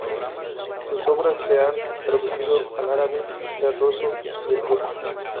Sus obras se han traducido al árabe, el ruso y el turco.